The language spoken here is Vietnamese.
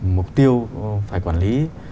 mục tiêu phải quản lý